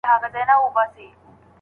چي د دې په بچو موړ وو پړسېدلې